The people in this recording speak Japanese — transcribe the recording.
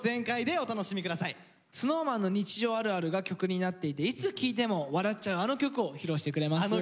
ＳｎｏｗＭａｎの日常あるあるが曲になっていていつ聴いても笑っちゃうあの曲を披露してくれます。